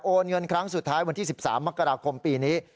เงินครั้งสุดท้ายวันที่๑๓มกราคมปีนี้